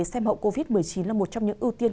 xem hậu covid một mươi chín là một trong những ưu tiên